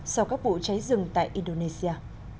sau các vụ cháy rừng tại indonesia